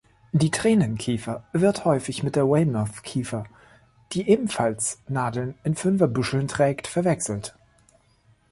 Die Tränen-Kiefer wird häufig mit der Weymouths-Kiefer, die ebenfalls Nadeln in Fünfer-Büscheln trägt, verwechselt.